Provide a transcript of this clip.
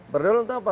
berdaulat untuk apa